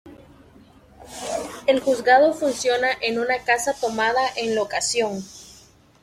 El Juzgado funciona en una casa tomada en locación.